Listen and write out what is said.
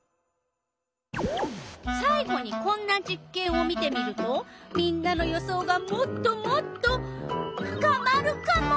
さい後にこんな実けんを見てみるとみんなの予想がもっともっと深まるカモ！